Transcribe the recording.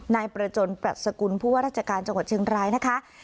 นายประจนปรัชกุลผู้ว่าราชการจังหวัดเชียงรายนะคะ